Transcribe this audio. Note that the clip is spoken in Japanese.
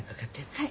はい。